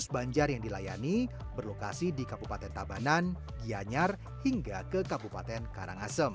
dua ratus banjar yang dilayani berlokasi di kabupaten tabanan gianyar hingga ke kabupaten karangasem